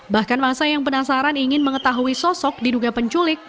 bahkan masa yang penasaran ingin mengetahui sosok diduga penculik